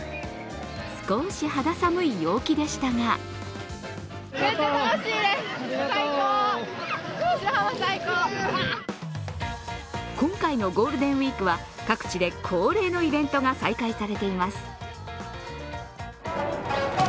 少し肌寒い陽気でしたが今回のゴールデンウイークは各地で恒例のイベントが再開されています。